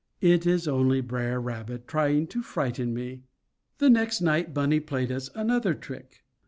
It is only Br'er Rabbit trying to frighten me. The next night Bunny played us another trick.